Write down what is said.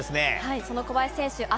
その小林選手